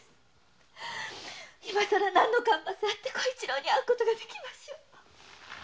今更何の顔あって小一郎に会うことができましょう。